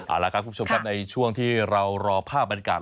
เอาละครับคุณผู้ชมครับในช่วงที่เรารอภาพบรรยากาศ